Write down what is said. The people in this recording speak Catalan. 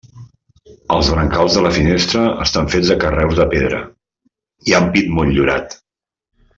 Els brancals de la finestra estan fets de carreus de pedra, i ampit motllurat.